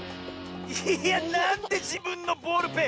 いやなんでじぶんのボールペン⁉